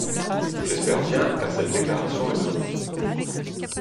J’espère bien, car cette déclaration est de vous.